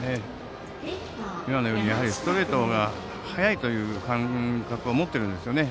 今のようにストレートが速いという感覚を持っているんですよね。